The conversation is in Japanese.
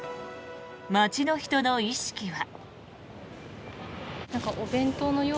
街の人の意識は。